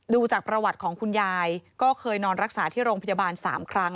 ดูจากประวัติของคุณยายก็เคยนอนรักษาที่โรงพยาบาล๓ครั้ง